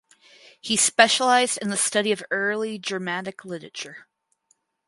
He specialized in the study of early Germanic literature.